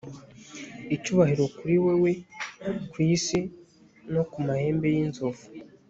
Icyubahiro kuri wewe kwisi no ku mahembe yinzovu